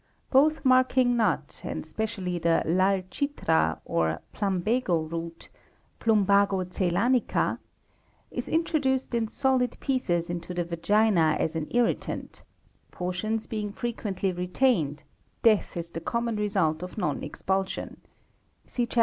Both marking nut and specially the Lal chitra, or Plumbago root (Plumbago Zeylanica), is introduced in solid pieces into the vagina as an irritant; portions being frequently retained, death is the commo result of non expulsion (see Chap.